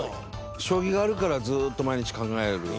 将棋があるからずーっと毎日考える。